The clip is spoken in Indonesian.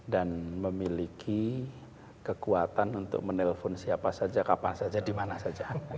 dan memiliki kekuatan untuk menelpon siapa saja kapan saja dimana saja